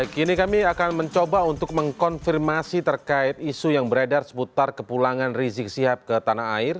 kini kami akan mencoba untuk mengkonfirmasi terkait isu yang beredar seputar kepulangan rizik sihab ke tanah air